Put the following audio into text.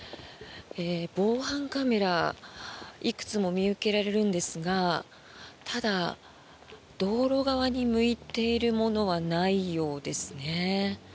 防犯カメラいくつも見受けられるんですがただ、道路側に向いているものはないようですね。